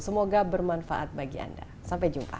semoga bermanfaat bagi anda sampai jumpa